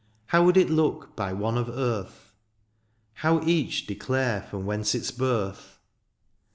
How would it look by one of earth ? How each declare from whence its birth